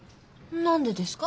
何でですか？